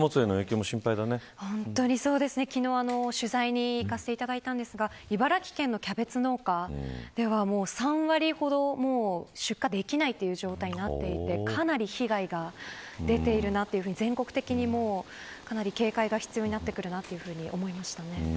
昨日、取材に行ったんですが茨城県のキャベツ農家では３割ほど出荷できないという状態になっていてかなり被害が出ているなというふうに全国的にかなり警戒が必要だと思いました。